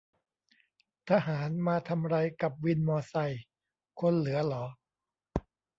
ทหารมาทำไรกับวินมอไซ ? คนเหลือหรอ